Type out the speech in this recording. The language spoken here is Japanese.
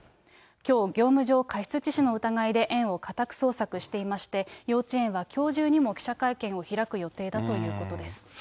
きょう、業務上過失致死の疑いで園を家宅捜索していまして、幼稚園はきょう中にも記者会見を開く予定だということです。